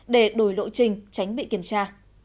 để đổi lộ trình tránh bị kiểm tra